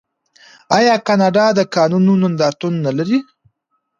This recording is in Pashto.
آیا کاناډا د کانونو نندارتون نلري؟